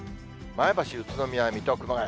前橋、宇都宮、水戸、熊谷。